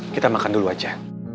kita makan dulu aja